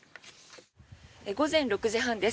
午前６時半です。